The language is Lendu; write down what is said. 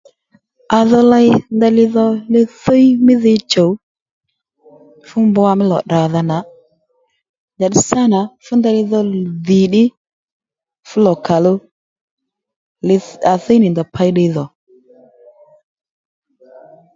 À dho ley ndeyli dho li thíy mí dhi chùw fú mbwa mí lò tdràdha nà njàddí sâ nà fú ndeyli dho dhì ddí fú lò kàòluw à thíy nì ndèy pěy ddiydhò